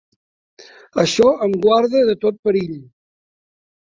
Això em guarda de tot perill.